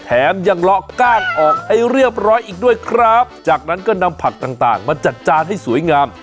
แถมยังเลาะกล้างออกให้เรียบร้อยอีกด้วยครับจากนั้นก็นำผักต่างต่างมาจัดจานให้สวยงาม